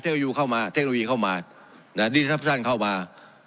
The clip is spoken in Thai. เทคโนวีเข้ามาดีทรัพย์ภาษาเข้ามา